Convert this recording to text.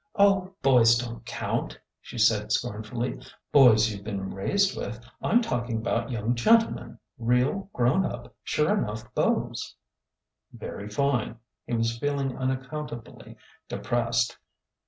" Oh, boys don't count," she said scornfully—" boys you 've been raised with. I 'm talking about young gen tlemen— real grown up, sure enough beaus." "Very fine!" He was feeling unaccountably de pressed.